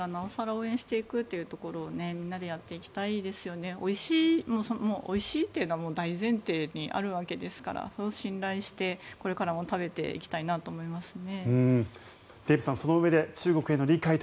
応援していくことをみんなでやっていきたいですよねおいしいというのは大前提にあるわけですからそれを信頼してこれからも食べていきたいなと思いますね。